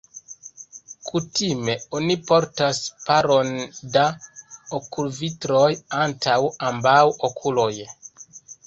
Kutime oni portas paron da okulvitroj antaŭ ambaŭ okuloj.